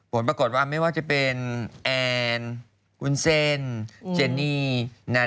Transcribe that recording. ผลปรากฏว่าไม่ว่าจะเป็นแอนวุ้นเส้นเจนี่นะ